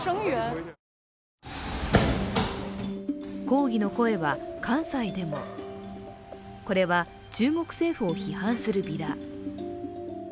抗議の声は、関西でもこれは中国政府を批判するビラ。